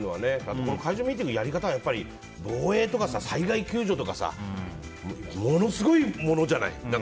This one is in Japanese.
解除ミーティングのやり方は防衛とか災害救助とかものすごいものじゃない。